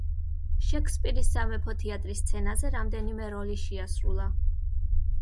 შექსპირის სამეფო თეატრის სცენაზე რამდენიმე როლი შეასრულა.